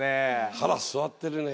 腹据わってるね。